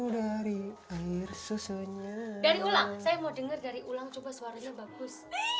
dari ulang saya mau dengar dari ulang coba suaranya bagus